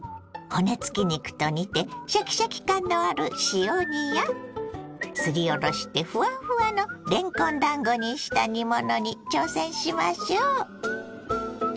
骨付き肉と煮てシャキシャキ感のある塩煮やすりおろしてフワフワのれんこんだんごにした煮物に挑戦しましょう。